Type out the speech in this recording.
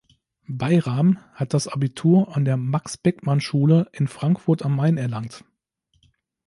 Bayram hat das Abitur an der Max-Beckmann-Schule in Frankfurt am Main erlangt.